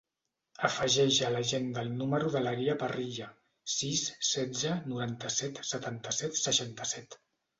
Afegeix a l'agenda el número de l'Aria Parrilla: sis, setze, noranta-set, setanta-set, seixanta-set.